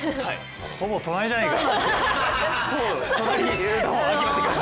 ほぼ隣じゃねえか。